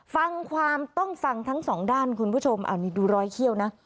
ฟังความต้องฟังทั้งสองด้านคุณผู้ชมอันนี้ดูรอยเขี้ยวนะ